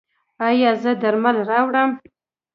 ایا زه درمل راوړم؟